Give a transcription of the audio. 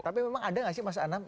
tapi memang ada nggak sih mas anam